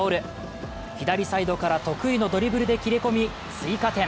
左サイドから得意のドリブルで切れ込み追加点。